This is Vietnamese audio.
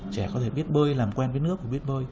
trẻ có thể biết bơi làm quen với nước của biết bơi